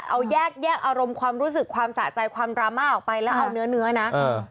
เอาแยกแยกอารมณ์ความรู้สึกความสะใจความดราม่าออกไปแล้วเอาเนื้อเนื้อนะเออ